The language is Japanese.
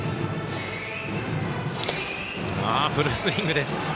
フルスイングです。